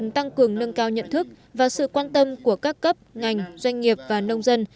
tăng cường nâng cao nhận thức và sự quan tâm của các cấp ngành doanh nghiệp và nông dân